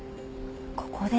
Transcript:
ここで。